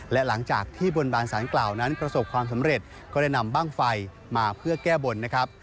และหลังจากที่บนบานสารกล่าวนั้นประสบความสำเร็จก็ได้นำบ้างไฟมาเพื่อแก้บนนะครับ